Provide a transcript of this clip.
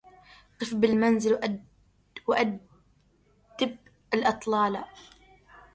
قف بالمنازل واندب الأطلالا